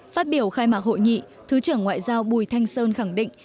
phát biểu khai mạc hội nghị thứ trưởng ngoại giao bùi thanh sơn khẳng định